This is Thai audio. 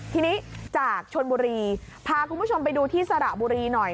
ทีนี้จากชนบุรีพาคุณผู้ชมไปดูที่สระบุรีหน่อย